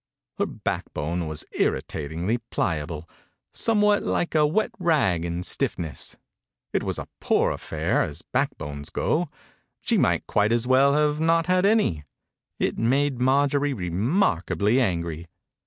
Her back bone was irritatingly pliable — somewhat like a wet rag in 41 THE INCUBATOR BABY stiffness. It was a poor afFair, as backbones go. She might quite as well not have had any. It made Marjorie remarkably angry.